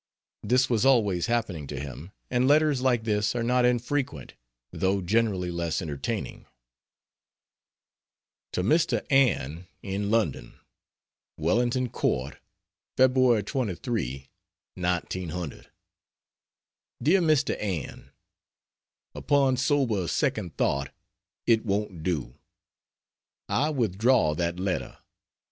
This was always happening to him, and letters like this are not infrequent, though generally less entertaining. To Mr. Ann, in London: WELLINGTON COURT, Feb. 23, '00. DEAR MR. ANN, Upon sober second thought, it won't do! I withdraw that letter.